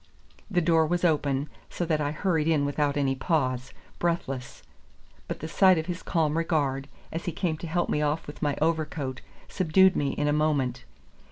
The door was open, so that I hurried in without any pause, breathless; but the sight of his calm regard, as he came to help me off with my overcoat, subdued me in a moment.